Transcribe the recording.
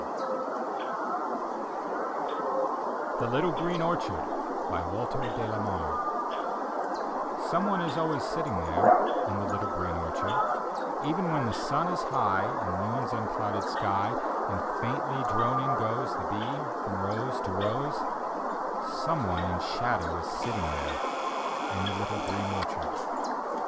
D,gt,, erihyGOOgle The Little Green Orchard 131 THE LITTLE GREEN ORCHARD : Walter db LA MARB Some one is always »ttin2 there, In the little green orchard; Even when the sun is high In noon's unclouded sky, And faintly droning goes The bee from rose to rose, Some one in shadow is sitting there, In the little green orchard.